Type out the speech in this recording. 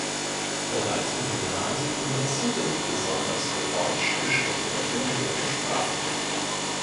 Bereits im Gymnasium interessiert er sich besonders für Deutsch, Geschichte, Religion und Sprachen.